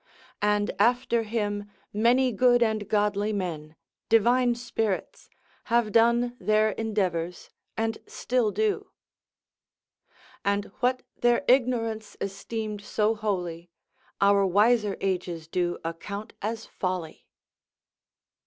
And after him many good and godly men, divine spirits, have done their endeavours, and still do. And what their ignorance esteem'd so holy, Our wiser ages do account as folly.